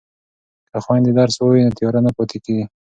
که خویندې درس ووایي نو تیاره نه پاتې کیږي.